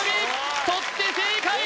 「とって」正解！